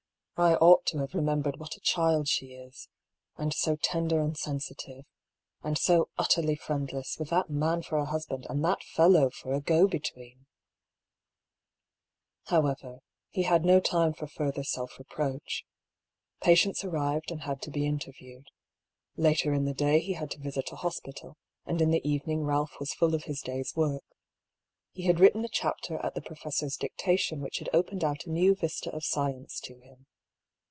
" I ought to have remembered what a child she is — and so tender and sensitive — and so utterly friendless, with that man for a husband, and that fellow for a go between !'* However, he had no time for farther self reproach. Patients arrived and had to be interviewed. Later in the day he had to visit a hospital, and in the evening Ralph was full of his day's work. He had written a chapter at the professor's dictation which had opened out a new vista of science to him.